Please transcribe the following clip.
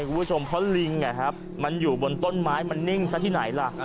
ปีนขึ้นไปจับมันลงมาแต่ว่ามันก็ไม่ง่ายคุณผู้ชมเพราะลิงอยู่บนต้นไม้มันนิ่งซะที่ไหนล่ะ